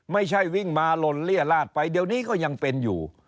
ไม่ใช่วิ่งมาหล่นเลี่ยลาดไปเดี๋ยวนี้ก็ยังเป็นอยู่